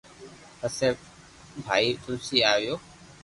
پسي ڀائ تلسي آئيو